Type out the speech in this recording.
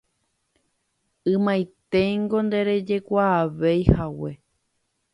ymaiténgo nderejekuaaveihague.